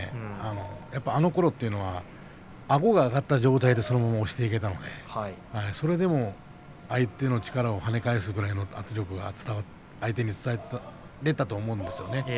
やっぱりあのころはあごが上がった状態でそのまま押していけたのでそれでも相手の力を跳ね返すくらいの圧力が相手に伝えることができていたと思うんですよ。